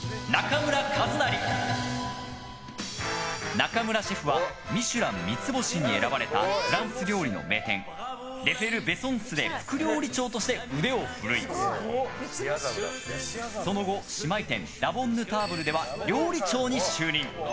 中村シェフは「ミシュラン」三つ星に選ばれたフランス料理の名店レフェルヴェソンスで副料理長として腕を振るいその後、姉妹店ラ・ボンヌ・ターブルでは料理長に就任。